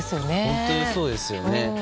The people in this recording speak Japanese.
本当そうですよね。